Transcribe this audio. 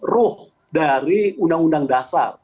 ruh dari undang undang dasar